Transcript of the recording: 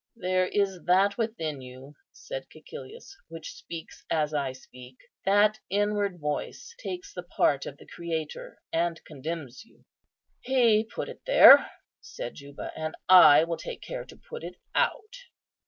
"There is that within you," said Cæcilius, "which speaks as I speak. That inward voice takes the part of the Creator, and condemns you." "He put it there," said Juba; "and I will take care to put it out."